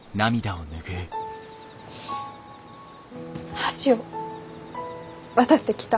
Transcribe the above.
橋を渡ってきた。